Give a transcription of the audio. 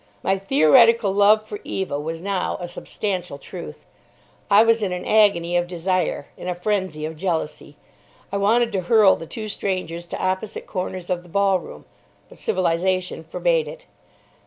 My theoretical love for Eva was now a substantial truth. I was in an agony of desire, in a frenzy of jealousy. I wanted to hurl the two strangers to opposite corners of the ballroom, but civilisation forbade it.